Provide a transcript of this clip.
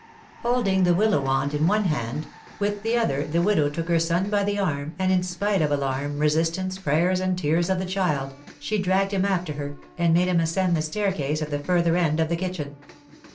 Holding the willow wand in one hand, with the other the widow took her son by the arm, and, in spite of alarm, resistance, prayers, and tears of the child, she dragged him after her, and made him ascend the staircase at the further end of the kitchen.